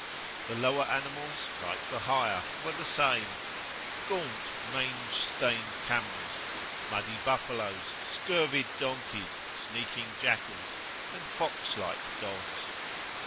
The lower animals, like the higher, were the same; gaunt, mange stained camels, muddy buffaloes, scurvied donkeys, sneaking jackals, and fox like dogs.